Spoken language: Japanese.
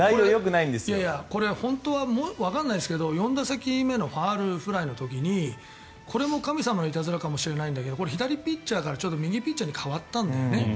本当は、わからないですが４打席目のファウルフライの時にこれも神様のいたずらかもしれないんだけどこれ、左ピッチャーから右ピッチャーに代わったんだよね。